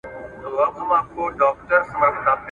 نه طبیب سوای له مرګي را ګرځولای !.